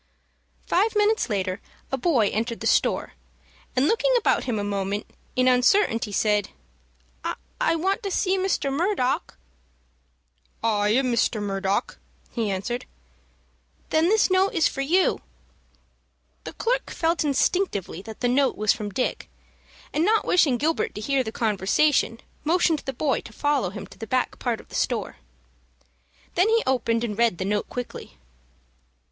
Five minutes later a boy entered the store, and, looking about him a moment in uncertainty, said, "I want to see Mr. Murdock." "I am Mr. Murdock," he answered. "Then this note is for you." The clerk felt instinctively that the note was from Dick, and, not wishing Gilbert to hear the conversation, motioned the boy to follow him to the back part of the store. Then he opened and read the note quickly.